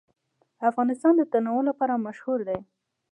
افغانستان د تنوع لپاره مشهور دی.